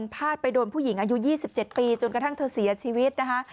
พาดไปโดนผู้หญิงอายุ๒๗ปีจนกระทั่งเธอเสียชีวิตนะคะ